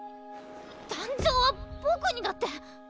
団長は僕にだって。